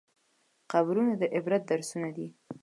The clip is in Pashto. قبرونه د عبرت درسونه دي.